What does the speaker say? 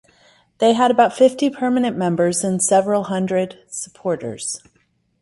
They had about fifty permanent members and several hundred supporters.